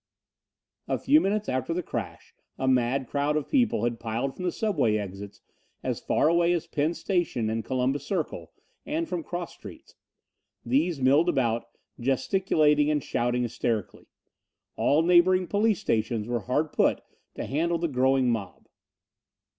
A few minutes after the crash a mad crowd of people had piled from subway exits as far away as Penn Station and Columbus Circle and from cross streets. These milled about, gesticulating and shouting hysterically. All neighboring police stations were hard put to handle the growing mob.